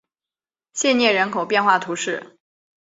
谢涅人口变化图示